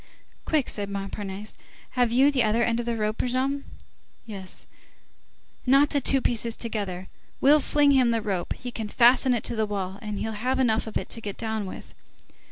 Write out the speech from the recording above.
"Quick!" said Montparnasse, "have you the other end of the rope, Brujon?" "Yes." "Knot the two pieces together, we'll fling him the rope, he can fasten it to the wall, and he'll have enough of it to get down with."